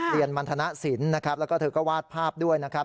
เรียนบรรษณะศิลป์นะครับแล้วก็เธอก็วาดภาพด้วยนะครับ